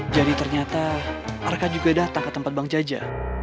jadi ternyata arka juga datang ke tempat bang jaja